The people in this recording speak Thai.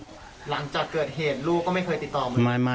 หลังจากเกิดเหตุลูกก็ไม่เคยติดต่อผมมา